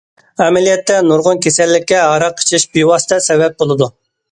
ئەمەلىيەتتە نۇرغۇن كېسەللىككە ھاراق ئىچىش بىۋاسىتە سەۋەب بولىدۇ.